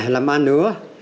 làm ăn nữa